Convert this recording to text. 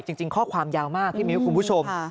จริงข้อความยาวมากพี่มิ้วคุณผู้ชม